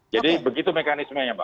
jadi begitu mekanismenya mbak